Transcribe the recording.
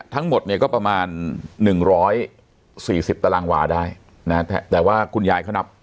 ทั้งหมดเนี้ยก็ประมาณหนึ่งร้อยสี่สิบตารางวาได้นะฮะแต่ว่าคุณยายเขานับ